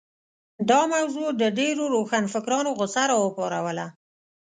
دا موضوع د ډېرو روښانفکرانو غوسه راوپاروله.